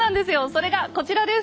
それがこちらです。